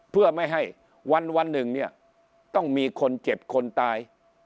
เพื่อไม่ให้วันหนึ่งเนี่ยต้องมีคนเจ็บคนตาย